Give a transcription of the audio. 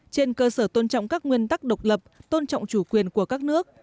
trên cơ sở tôn trọng các nguyên tắc độc lập tôn trọng chủ quyền của các nước